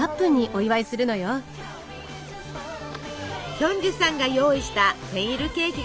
ヒョンジュさんが用意したセンイルケーキがこちら。